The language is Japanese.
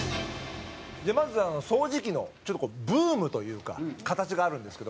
まず、掃除機のブームというか形があるんですけど。